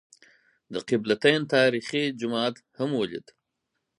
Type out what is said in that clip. د قبله تین تاریخي جومات هم ولېد.